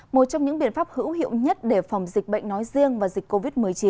một trong những biện pháp hữu hiệu nhất để phòng dịch bệnh nói riêng và dịch covid một mươi chín